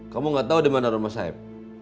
kamu nggak tahu di mana rumah saeb